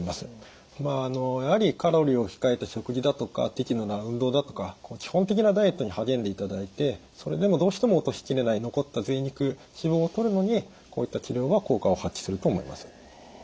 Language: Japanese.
まあやはりカロリーを控えた食事だとか適度な運動だとか基本的なダイエットに励んでいただいてそれでもどうしても落としきれない残ったぜい肉脂肪をとるのにこういった治療は効果を発揮すると思います。